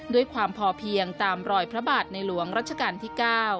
ด้วยความพอเพียงตามรอยพระบาทในหลวงรัชกาลที่๙